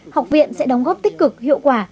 học viện sẽ đóng góp tích cực hiệu quả